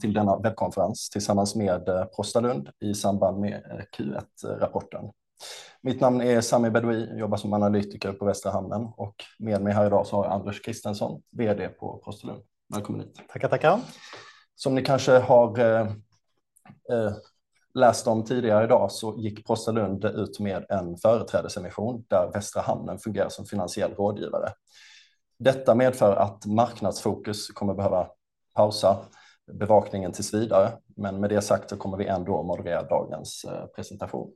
Till denna webbkonferens tillsammans med Prostalund i samband med Q1-rapporten. Mitt namn är Sami Bedoui, jobbar som analytiker på Västra Hamnen och med mig här idag så har Anders Christensson, VD på Prostalund. Välkommen hit! Tack, tack. Som ni kanske har läst om tidigare i dag så gick Prostalund ut med en företrädesemission där Västra Hamnen fungerar som finansiell rådgivare. Detta medför att marknadsfokus kommer behöva pausa bevakningen tills vidare, men med det sagt så kommer vi ändå att moderera dagens presentation.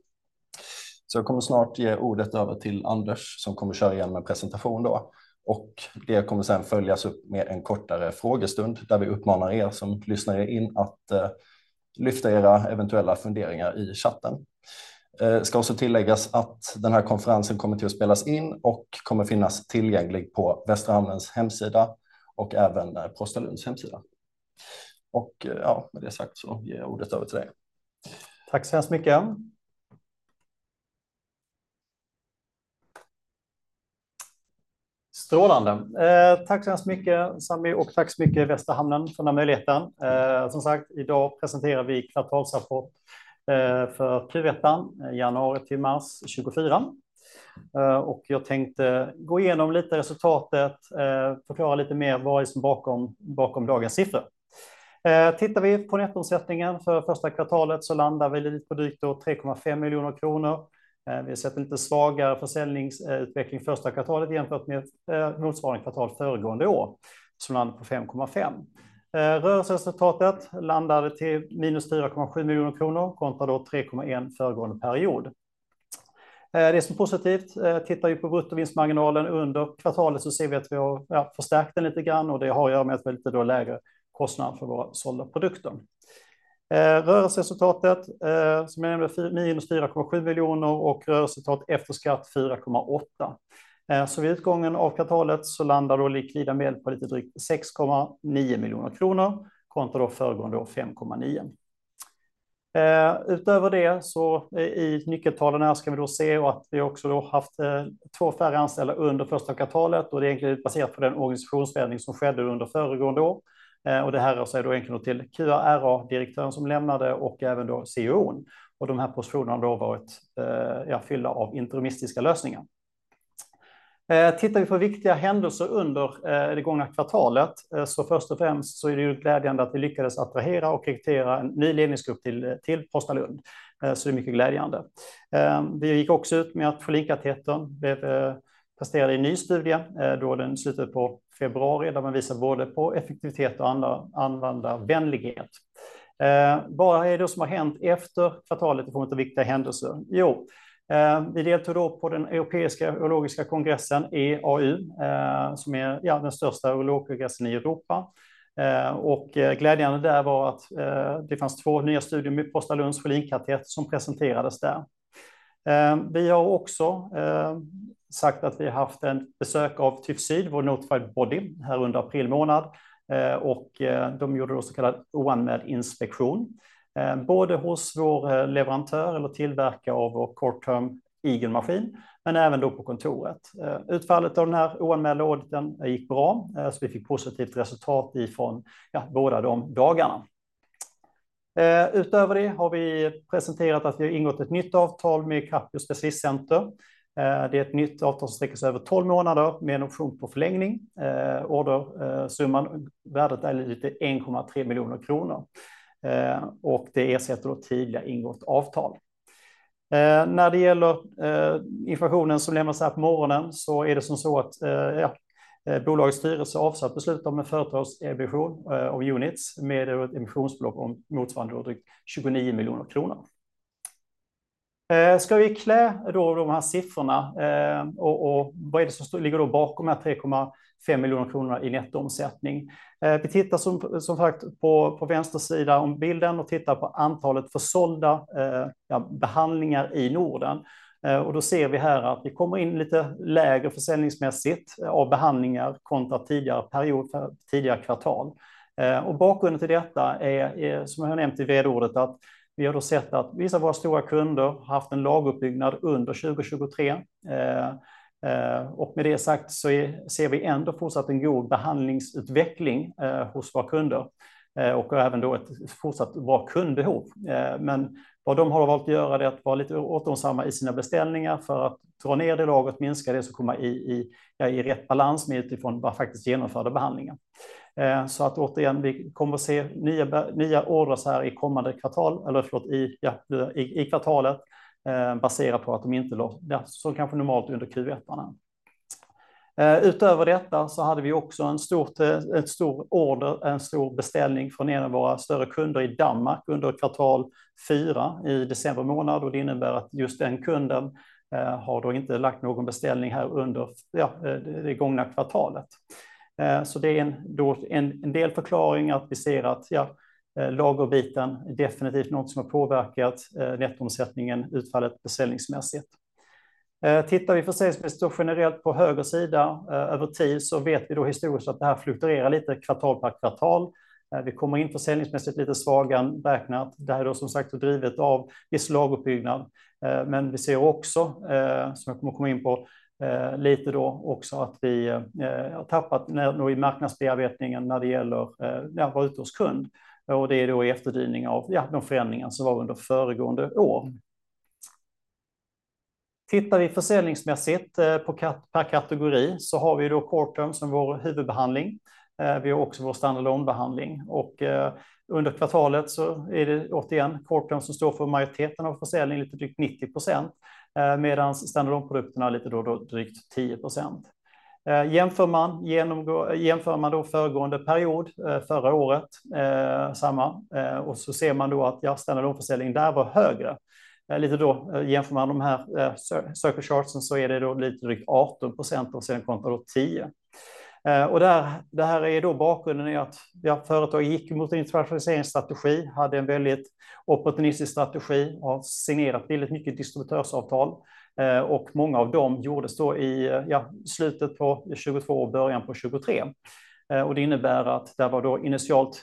Så jag kommer snart ge ordet över till Anders, som kommer köra igenom en presentation då. Det kommer sedan följas upp med en kortare frågestund, där vi uppmanar er som lyssnar in att lyfta era eventuella funderingar i chatten. Det ska också tilläggas att den här konferensen kommer att spelas in och kommer att finnas tillgänglig på Västra Hamnens hemsida och även på Prostalunds hemsida. Ja, med det sagt så ger jag ordet över till dig. Tack så hemskt mycket! Strålande. Tack så hemskt mycket, Sami, och tack så mycket Västra Hamnen för den här möjligheten. Som sagt, idag presenterar vi kvartalsrapport för Q1, januari till mars 2024. Jag tänkte gå igenom lite resultatet, förklara lite mer vad det är som ligger bakom dagens siffror. Tittar vi på nettoomsättningen för första kvartalet så landar vi på lite drygt 3,5 miljoner kronor. Vi har sett en lite svagare försäljningsutveckling första kvartalet jämfört med motsvarande kvartal föregående år, som landade på 5,5 miljoner kronor. Rörelseresultatet landade på minus 4,7 miljoner kronor kontra 3,1 miljoner kronor föregående period. Det som är positivt, tittar vi på bruttovinstmarginalen under kvartalet så ser vi att vi har förstärkt den lite grann och det har att göra med en lite lägre kostnad för våra sålda produkter. Rörelseresultatet, som är minus 4,7 miljoner och rörelseresultat efter skatt 4,8. Vid utgången av kvartalet så landar likvida medel på lite drygt 6,9 miljoner kronor, kontra föregående år 5,9. Utöver det, så i nyckeltalen här ska vi då se att vi också haft två färre anställda under första kvartalet och det är egentligen baserat på den organisationsförändring som skedde under föregående år. Det här är då enkelt till QARA-direktören som lämnade och även då CEO:n. De här positionerna har då varit fyllda av interimistiska lösningar. Tittar vi på viktiga händelser under det gångna kvartalet, så först och främst så är det glädjande att vi lyckades attrahera och rekrytera en ny ledningsgrupp till Prostalund. Det är mycket glädjande. Vi gick också ut med att Folinkateten passerade i en ny studie då i slutet på februari, där man visar både på effektivitet och andra användarvänlighet. Vad är det som har hänt efter kvartalet i form av viktiga händelser? Jo, vi deltog på den Europeiska Urologiska Kongressen, EAU, som är den största urologkongressen i Europa. Glädjande där var att det fanns två nya studier med Prostalunds Folinkatet som presenterades där. Vi har också sagt att vi haft ett besök av TÜV SÜD, vår notified body, här under aprilmånad och de gjorde då så kallad oanmäld inspektion, både hos vår leverantör eller tillverkare av vår kort term Eagle-maskin, men även då på kontoret. Utfallet av den här oanmälda auditen gick bra, så vi fick positivt resultat från ja, båda de dagarna. Utöver det har vi presenterat att vi har ingått ett nytt avtal med Capio Specialistcenter. Det är ett nytt avtal som sträcker sig över tolv månader med en option på förlängning. Ordersumman, värdet är 1,3 miljoner kronor och det ersätter tidigare ingått avtal. När det gäller informationen som lämnas här på morgonen så är det så att bolagets styrelse har fattat beslut om en företrädesemission av units med ett emissionsbelopp om motsvarande drygt 29 miljoner kronor. Ska vi titta på de här siffrorna och vad är det som ligger bakom de här 3,5 miljoner kronorna i nettoomsättning? Vi tittar som sagt på vänster sida om bilden och tittar på antalet försålda behandlingar i Norden. Då ser vi här att vi kommer in lite lägre försäljningsmässigt av behandlingar kontra tidigare period, tidigare kvartal. Bakgrunden till detta är, som jag nämnt i VD-ordet, att vi har sett att vissa av våra stora kunder har haft en lageruppbyggnad under 2023. Med det sagt så ser vi ändå fortsatt en god behandlingsutveckling hos våra kunder och även då ett fortsatt bra kundbehov. Men vad de har valt att göra är att vara lite återhållsamma i sina beställningar för att dra ner det lagret, minska det, så komma i rätt balans utifrån vad faktiskt genomförde behandlingen. Återigen, vi kommer att se nya ordrar i kommande kvartal eller förlåt, i kvartalet, baserat på att de inte då, så kanske normalt under Q1. Utöver detta så hade vi också en stor order, en stor beställning från en av våra större kunder i Danmark under kvartal fyra i decembermånad. Och det innebär att just den kunden har då inte lagt någon beställning här under det gångna kvartalet. Så det är en del förklaring att vi ser att lagerbiten är definitivt något som har påverkat nettoomsättningen, utfallet beställningsmässigt. Tittar vi försäljningsmässigt och generellt på höger sida över tid, så vet vi då historiskt att det här fluktuerar lite kvartal per kvartal. Vi kommer in försäljningsmässigt lite svagare än beräknat. Det här är då som sagt drivet av viss lageruppbyggnad, men vi ser också, som jag kommer att komma in på, lite då också att vi har tappat i marknadsbearbetningen när det gäller vår utårskund. Och det är då i efterdyning av de förändringar som var under föregående år. Tittar vi försäljningsmässigt på per kategori så har vi då Cortum som vår huvudbehandling. Vi har också vår standardlånbehandling och under kvartalet så är det återigen Cortum som står för majoriteten av försäljningen, lite drygt 90%, medan standardprodukten har lite drygt 10%. Jämför man föregående period förra året så ser man då att standardförsäljningen där var högre. Jämför man de här circle chartsen så är det då lite drygt 18% och sen kontra då 10%. Det här är då bakgrunden i att företaget gick mot en internationaliseringsstrategi, hade en väldigt opportunistisk strategi och har signerat väldigt mycket distributörsavtal. Många av dem gjordes då i slutet på 2022 och början på 2023. Det innebär att det var då initialt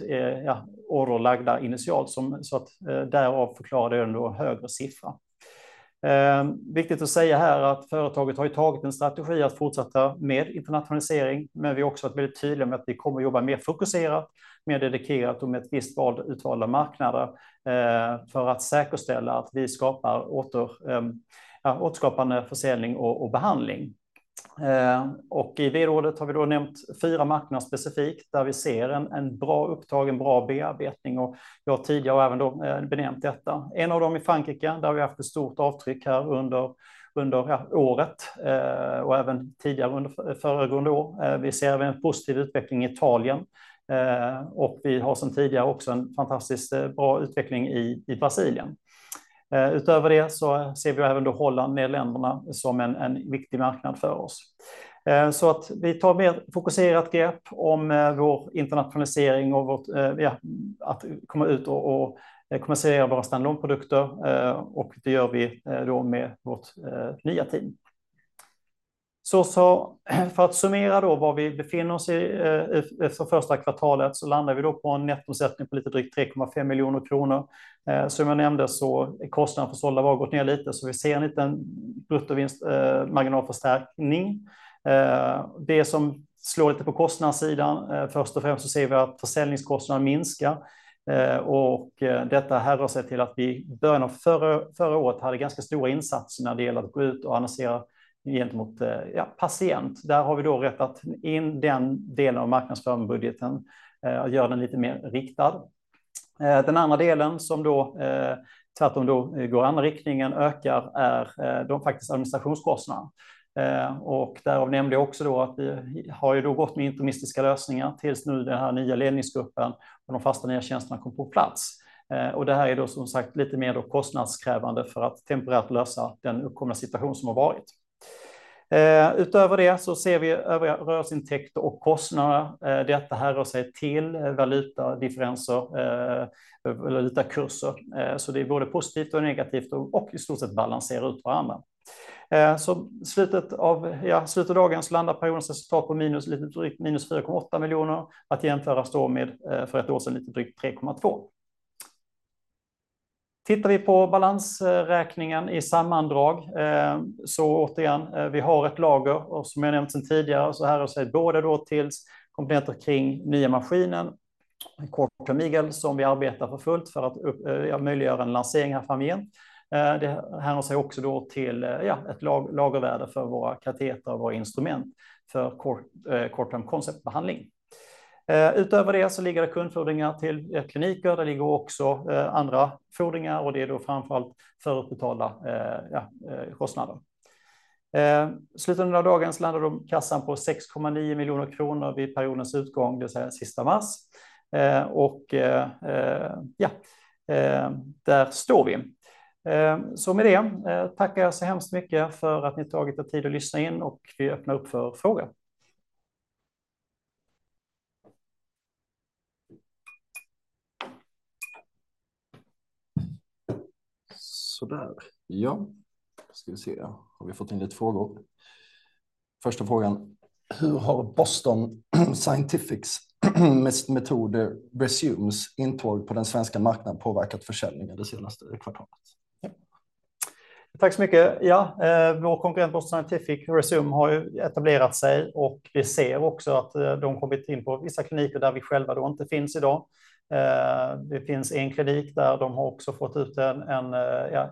orderlagda initialt så att därav förklarade en då högre siffra. Viktigt att säga här att företaget har tagit en strategi att fortsätta med internationalisering, men vi är också väldigt tydliga med att vi kommer att jobba mer fokuserat, mer dedikerat och med utvalda marknader för att säkerställa att vi skapar återkommande försäljning och behandling. I det rådet har vi nämnt fyra marknader specifikt, där vi ser en bra upptakt, bra bearbetning och jag har tidigare även benämt detta. En av dem i Frankrike, där vi haft ett stort avtryck under året och även tidigare under föregående år. Vi ser även en positiv utveckling i Italien och vi har sedan tidigare också en fantastiskt bra utveckling i Brasilien. Utöver det så ser vi även Holland, Nederländerna, som en viktig marknad för oss. Så att vi tar mer fokuserat grepp om vår internationalisering och vårt, ja, att komma ut och kommersialisera våra standalone-produkter. Det gör vi då med vårt nya team. För att summera då var vi befinner oss i för första kvartalet så landar vi då på en nettoomsättning på lite drygt 3,5 miljoner kronor. Som jag nämnde så är kostnaden för sålda varor gått ner lite, så vi ser en liten bruttovinstmarginalförstärkning. Det som slår lite på kostnadssidan, först och främst, så ser vi att försäljningskostnaden minskar. Detta härrör sig till att vi i början av förra året hade ganska stora insatser när det gäller att gå ut och annonsera gentemot, ja, patient. Där har vi då rättat in den delen av marknadsföringsbudgeten att göra den lite mer riktad. Den andra delen som då, tvärtom, går i andra riktningen ökar är de faktiskt administrationskostnaderna. Och därav nämnde jag också att vi har gått med interimistiska lösningar tills nu den här nya ledningsgruppen och de fasta nya tjänsterna kom på plats. Och det här är som sagt lite mer kostnadskrävande för att temporärt lösa den uppkomna situation som har varit. Utöver det så ser vi övriga rörelseintäkter och kostnader. Detta härrör sig till valutadifferenser, valutakurser. Så det är både positivt och negativt och i stort sett balanserar ut varandra. Så slutet av dagen så landar periodens resultat på minus, lite drygt minus 4,8 miljoner. Att jämföras med för ett år sedan, lite drygt 3,2. Tittar vi på balansräkningen i sammandrag så återigen, vi har ett lager och som jag nämnt sedan tidigare, så härrör sig både då till komponenter kring nya maskinen, Cortum Miguel, som vi arbetar för fullt för att möjliggöra en lansering här framgent. Det härrör sig också då till, ja, ett lagervärde för våra kateter och våra instrument för Cortum concept-behandling. Utöver det så ligger det kundfordringar till kliniker, där ligger också andra fordringar och det är då framför allt förutbetalda kostnader. Slutet av dagen så landar kassan på 6,9 miljoner kronor vid periodens utgång, det vill säga sista mars. Där står vi. Med det tackar jag så hemskt mycket för att ni tagit er tid att lyssna in och vi öppnar upp för frågor. Sådär, ja, ska vi se. Har vi fått in lite frågor? Första frågan: Hur har Boston Scientifics metoder Resumes intåg på den svenska marknaden påverkat försäljningen det senaste kvartalet? Tack så mycket. Ja, vår konkurrent Boston Scientific Resume har ju etablerat sig och vi ser också att de kommit in på vissa kliniker där vi själva då inte finns idag. Det finns en klinik där de har också fått ut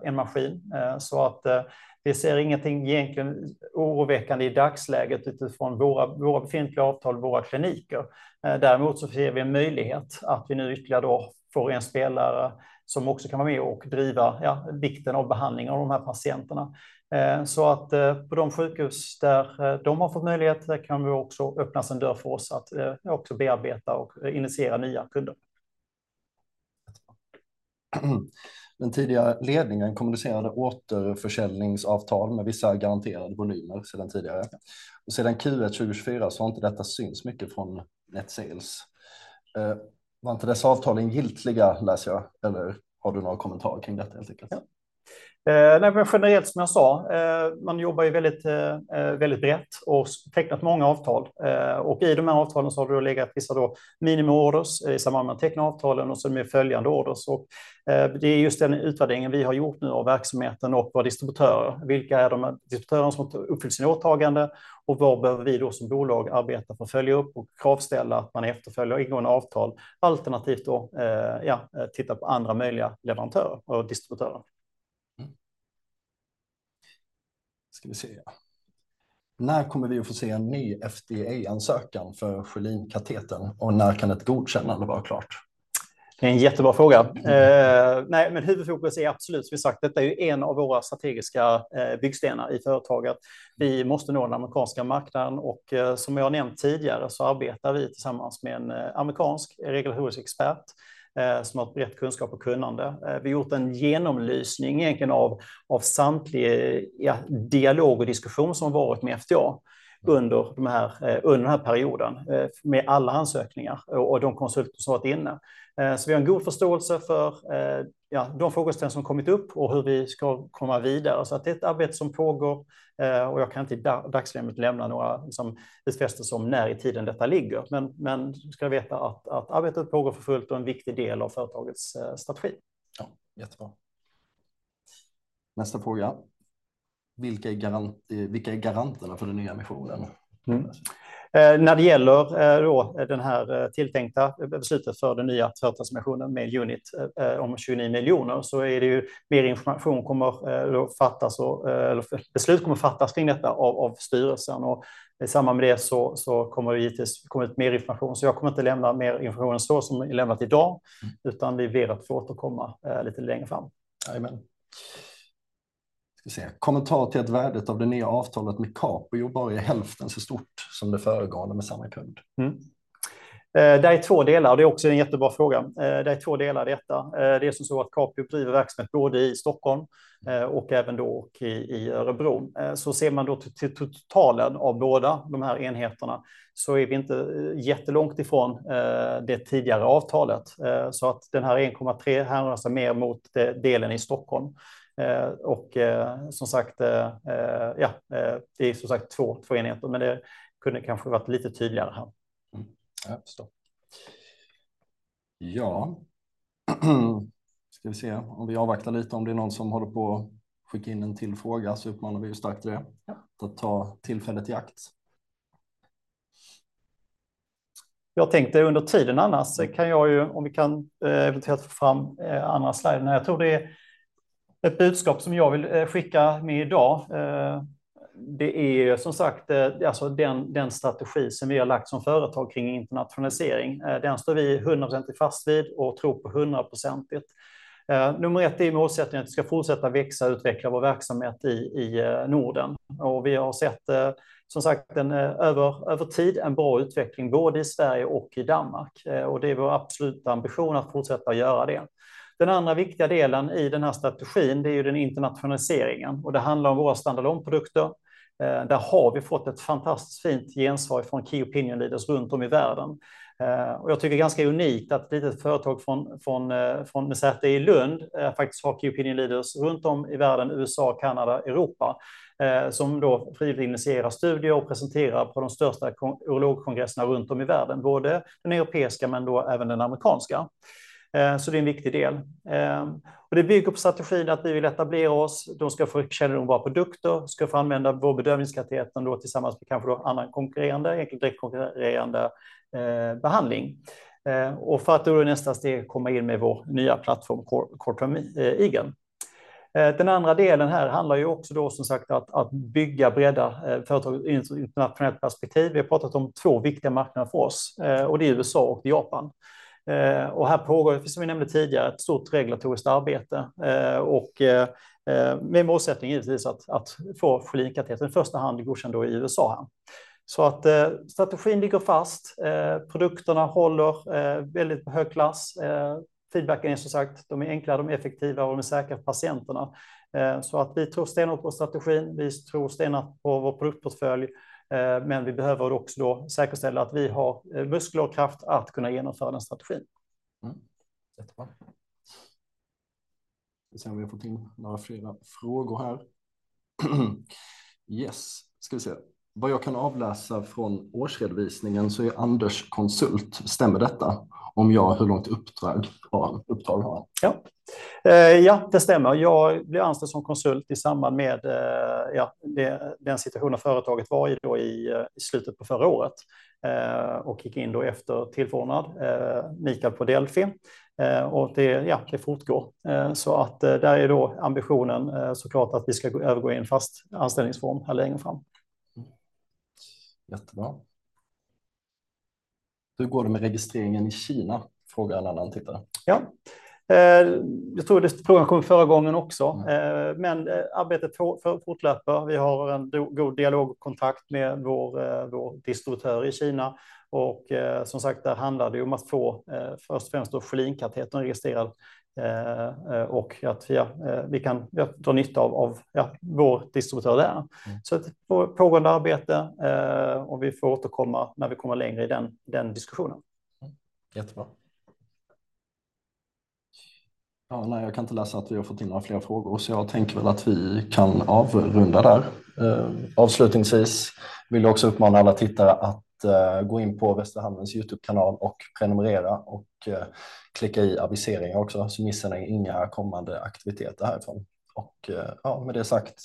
en maskin, så att vi ser ingenting egentligen oroväckande i dagsläget utifrån våra befintliga avtal och våra kliniker. Däremot så ser vi en möjlighet att vi nu ytterligare då får en spelare som också kan vara med och driva vikten av behandlingen av de här patienterna. Så att på de sjukhus där de har fått möjlighet, där kan vi också öppnas en dörr för oss att också bearbeta och initiera nya kunder. Den tidigare ledningen kommunicerade återförsäljningsavtal med vissa garanterade volymer sedan tidigare. Och sedan Q1 2024 så har inte detta synts mycket från Net Sales. Var inte dessa avtalen ogiltiga, läser jag, eller har du några kommentarer kring detta helt enkelt? Nej, men generellt, som jag sa, man jobbar ju väldigt, väldigt brett och tecknat många avtal. Och i de här avtalen så har det legat vissa då minimum orders i samband med att teckna avtalen och så med följande orders. Och det är just den utvärderingen vi har gjort nu av verksamheten och våra distributörer. Vilka är de distributörer som uppfyller sina åtaganden och var behöver vi då som bolag arbeta för att följa upp och kravställa att man efterföljer ingångna avtal? Alternativt då, ja, titta på andra möjliga leverantörer och distributörer. Ska vi se. När kommer vi att få se en ny FDA-ansökan för Själinkatetern och när kan ett godkännande vara klart? Det är en jättebra fråga. Nej, men huvudfokus är absolut, som vi sagt, detta är en av våra strategiska byggstenar i företaget. Vi måste nå den amerikanska marknaden och som jag har nämnt tidigare så arbetar vi tillsammans med en amerikansk regulatorisk expert som har ett brett kunskap och kunnande. Vi har gjort en genomlysning egentligen av samtlig dialog och diskussion som varit med FDA under den här perioden med alla ansökningar och de konsulter som har varit inne. Så vi har en god förståelse för de frågeställningar som kommit upp och hur vi ska komma vidare. Så det är ett arbete som pågår och jag kan inte i dagsläget lämna några som besked om när i tiden detta ligger. Men du ska veta att arbetet pågår för fullt och är en viktig del av företagets strategi. Ja, jättebra. Nästa fråga: Vilka är garanterna för den nya missionen? När det gäller den här tilltänkta beslutet för den nya företagsmissionen med Unit om tjugonio miljoner, så är det mer information som kommer att fattas och beslut kommer att fattas kring detta av styrelsen. I samband med det så kommer vi givetvis komma ut med mer information. Jag kommer inte lämna mer information än vad som är lämnat idag, utan vi väljer att återkomma lite längre fram. Jajamän. Ska vi se. Kommentar till att värdet av det nya avtalet med Capio bara är hälften så stort som det föregående med samma kund. Mm. Det är två delar, det är också en jättebra fråga. Det är två delar i detta. Det är som så att Capio driver verksamhet både i Stockholm och även då i Örebro. Så ser man då till totalen av båda de här enheterna, så är vi inte jättelångt ifrån det tidigare avtalet. Så att den här 1,3 hänvisar mer mot delen i Stockholm. Och som sagt, ja, det är som sagt två, två enheter, men det kunde kanske varit lite tydligare här. Ja, förstått. Ja, ska vi se om vi avvaktar lite, om det är någon som håller på att skicka in en till fråga, så uppmanar vi ju starkt det. Att ta tillfället i akt. Jag tänkte under tiden annars kan jag ju, om vi kan eventuellt få fram andra sliden. Jag tror det är ett budskap som jag vill skicka med idag. Det är som sagt, alltså, den strategi som vi har lagt som företag kring internationalisering. Den står vi 100% fast vid och tror på hundraprocentigt. Nummer ett är målsättningen att vi ska fortsätta växa och utveckla vår verksamhet i Norden. Vi har sett, som sagt, en över tid bra utveckling både i Sverige och i Danmark. Det är vår absoluta ambition att fortsätta göra det. Den andra viktiga delen i den här strategin, det är ju internationaliseringen och det handlar om våra standard långprodukter. Där har vi fått ett fantastiskt fint gensvar från Key Opinion Leaders runt om i världen. Och jag tycker det är ganska unikt att ett litet företag från Lund faktiskt har Key Opinion Leaders runt om i världen, USA, Kanada, Europa, som då frivilligt initierar studier och presenterar på de största urologkongresserna runt om i världen, både den europeiska men då även den amerikanska. Så det är en viktig del. Och det bygger på strategin att vi vill etablera oss, de ska få känna de vara produkter, ska få använda vår bedövningskateter då tillsammans med kanske då annan konkurrerande, direkt konkurrerande behandling. Och för att då i nästa steg komma in med vår nya plattform, Core, Core from egen. Den andra delen här handlar ju också då som sagt, att bygga, bredda företaget i ett internationellt perspektiv. Vi har pratat om två viktiga marknader för oss, och det är USA och Japan. Och här pågår, som vi nämnde tidigare, ett stort regulatoriskt arbete, och med målsättning givetvis att få Folinkatetern i första hand godkänd i USA. Strategin ligger fast, produkterna håller väldigt hög klass. Feedback är som sagt, de är enkla, de är effektiva och de är säkra för patienterna. Vi tror stenat på strategin, vi tror stenat på vår produktportfölj, men vi behöver också säkerställa att vi har muskler och kraft att kunna genomföra den strategin. Mm, jättebra! Ska se om vi har fått in några flera frågor här. Yes, ska vi se. Vad jag kan avläsa från årsredovisningen så är Anders konsult. Stämmer detta? Om ja, hur långt uppdrag har han? Ja, det stämmer. Jag blev anställd som konsult i samband med den situationen företaget var i slutet på förra året och gick in efter tillförordnad Michael på Delphi. Och det fortgår. Så att där är då ambitionen så klart att vi ska övergå i en fast anställningsform här längre fram. Jättebra. Hur går det med registreringen i Kina? frågar en annan tittare. Ja, jag tror att frågan kom förra gången också, men arbetet fortlöper. Vi har en god dialog och kontakt med vår distributör i Kina och som sagt, där handlar det om att få först och främst Själinkatetern registrerad och att vi kan dra nytta av vår distributör där. Det är ett pågående arbete och vi får återkomma när vi kommer längre i diskussionen. Jättebra. Ja, nej, jag kan inte läsa att vi har fått in några fler frågor, så jag tänker väl att vi kan avrunda där. Avslutningsvis vill jag också uppmana alla tittare att gå in på Västra Hamnen YouTube-kanal och prenumerera och klicka i aviseringar också, så missar ni inga kommande aktiviteter härifrån. Och med det sagt,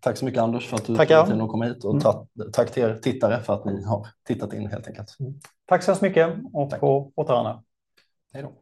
tack så mycket Anders för att du kom hit. Tack! Och tack till er tittare för att ni har tittat in, helt enkelt. Tack så jättemycket och på återhörande. Hej då!